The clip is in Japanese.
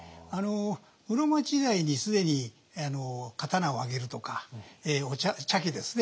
室町時代に既に刀をあげるとかお茶茶器ですね